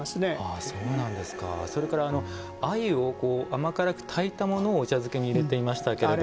それからあゆを甘辛く炊いたものをお茶漬けに入れていましたけど。